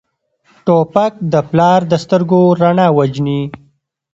توپک د پلار د سترګو رڼا وژني.